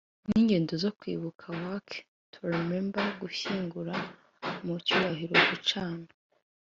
n ingendo zo kwibuka walk to remember gushyingura mu cyubahiro gucana